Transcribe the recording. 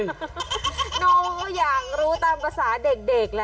หนูอยากรู้ตามภาษาเด็กแหละ